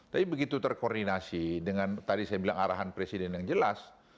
tapi begitu terkoordinasi dengan tadi saya bilang arahan presiden yang jelas